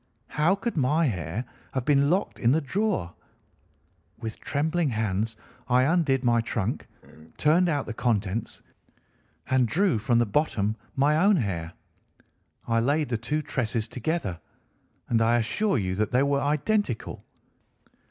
How could my hair have been locked in the drawer? With trembling hands I undid my trunk, turned out the contents, and drew from the bottom my own hair. I laid the two tresses together, and I assure you that they were identical.